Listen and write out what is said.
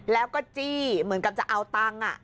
แล้วก็จี้เหมือนกับจะเอาตังค์